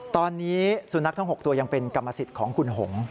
ตอนนี้สุนัขทั้ง๖ตัวยังเป็นกรรมสิทธิ์ของคุณหง